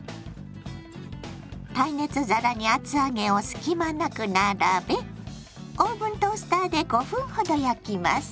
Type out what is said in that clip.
耐熱皿に厚揚げを隙間なく並べオーブントースターで５分ほど焼きます。